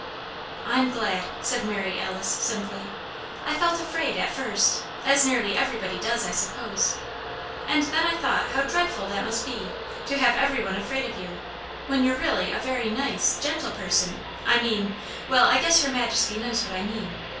"I'm glad," said Mary Alice, simply. "I felt afraid, at first as nearly everybody does, I suppose. And then I thought how dreadful that must be to have every one afraid of you, when you're really a very nice, gentle person I mean ! Well, I guess Your Majesty knows what I mean.